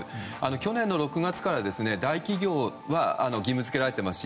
去年の６月から大企業は義務付けられていますし